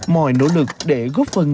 mọi nỗ lực để góp phần